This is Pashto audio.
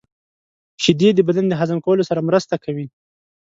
• شیدې د بدن د هضم کولو سره مرسته کوي.